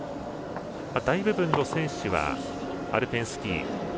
大部分の選手はアルペンスキー